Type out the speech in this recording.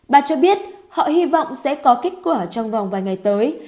bà cho biết họ hy vọng sẽ có kết quả trong vòng vài ngày tới